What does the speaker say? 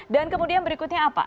dan kemudian berikutnya apa